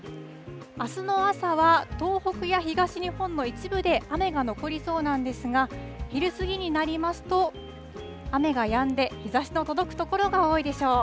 あすの朝は東北や東日本の一部で雨が残りそうなんですが、昼過ぎになりますと、雨がやんで、日ざしの届く所が多いでしょう。